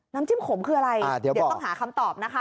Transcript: น้ำจิ้มขมคืออะไรเดี๋ยวต้องหาคำตอบนะคะ